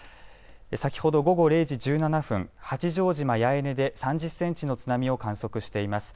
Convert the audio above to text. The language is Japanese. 先ほど午後０時１７分八丈島八重根で３０センチの津波を観測しています。